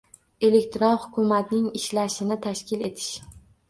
Elektron hukumatning ishlashini tashkil etish